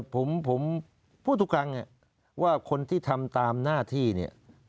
ผมพูดทุกครั้งว่าคนที่ทำตามหน้าที่เนี่ย